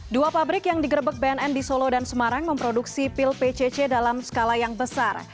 dua pabrik yang digerebek bnn di solo dan semarang memproduksi pil pcc dalam skala yang besar